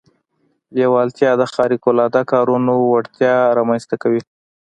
لېوالتیا د خارق العاده کارونو وړتيا رامنځته کوي.